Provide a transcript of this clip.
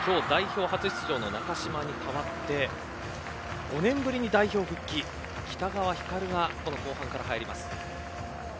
今日代表初出場の中嶋に代わって５年ぶりに代表復帰、北川ひかるが後半から入ります。